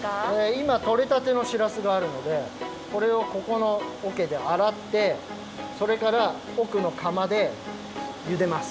いまとれたてのしらすがあるのでこれをここのおけであらってそれからおくのかまでゆでます。